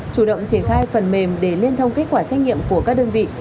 chủ động triển khai phần mềm để liên thông kết quả xét nghiệm của các đơn vị